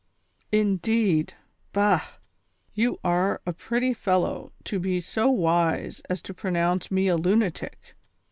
" Indeed, bah ! you are a pretty fellow to be so wise as to pronounce me a lunatic.